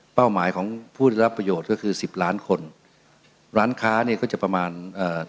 หมายของผู้ได้รับประโยชน์ก็คือสิบล้านคนร้านค้าเนี่ยก็จะประมาณเอ่อ